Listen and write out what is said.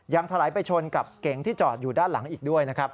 ถลายไปชนกับเก๋งที่จอดอยู่ด้านหลังอีกด้วยนะครับ